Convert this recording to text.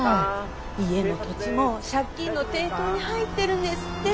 家も土地も借金の抵当に入ってるんですって。